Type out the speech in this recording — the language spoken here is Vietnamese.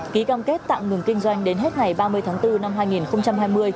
ký cam kết tạm ngừng kinh doanh đến hết ngày ba mươi tháng bốn năm hai nghìn hai mươi